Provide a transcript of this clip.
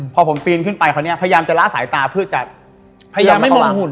พอผมปีนขึ้นไปคราวนี้พยายามจะละสายตาเพื่อจะพยายามไม่มงหุ่น